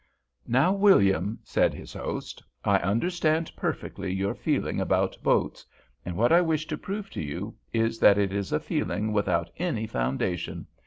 "Now, William," said his host, "I understand perfectly your feeling about boats, and what I wish to prove to you is that it is a feeling without any foundation.